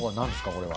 これは。